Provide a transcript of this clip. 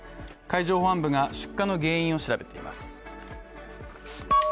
海上保安部が出火の原因を調べています。